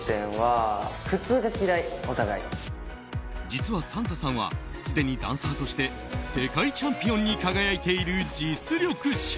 実は賛多さんはすでにダンサーとして世界チャンピオンに輝いている実力者。